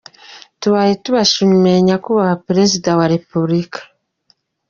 Tubaye tubashimiye nyakubahwa Perezida wa Repubulika.